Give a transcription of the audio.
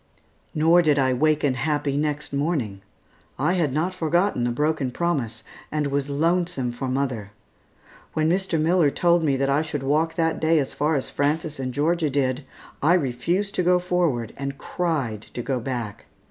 Nor did I waken happy next morning. I had not forgotten the broken promise, and was lonesome for mother. When Mr. Miller told me that I should walk that day as far as Frances and Georgia did, I refused to go forward, and cried to go back.